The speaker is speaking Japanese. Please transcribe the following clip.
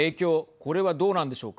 これはどうなんでしょうか。